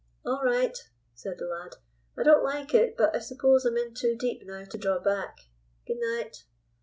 "All right," said the lad. "I don't like it, but I suppose I'm in too deep now to draw back. Good night."